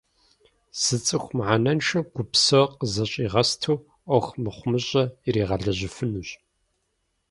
Зы цӏыху мыхьэнэншэм гуп псо къызэщӀигъэсту, Ӏуэху мыхъумыщӀэ иригъэлэжьыфынущ.